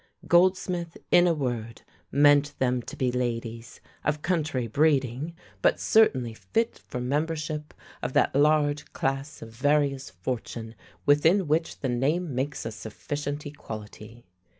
Goldsmith, in a word, meant them to be ladies, of country breeding, but certainly fit for membership of that large class of various fortune within which the name makes a sufficient equality.